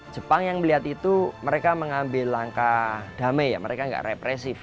jepang yang melihat itu mereka mengambil langkah damai ya mereka nggak represif